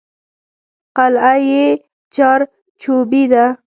قلعه یې چارچوبي ده.